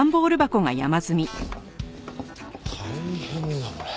大変だこれ。